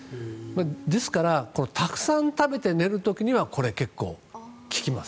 ですからたくさん食べて寝る時にはこれ、結構効きます。